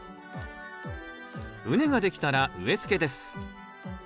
畝ができたら植えつけです。